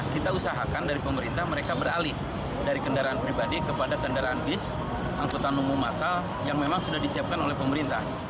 kita usahakan dari pemerintah mereka beralih dari kendaraan pribadi kepada kendaraan bis angkutan umum masal yang memang sudah disiapkan oleh pemerintah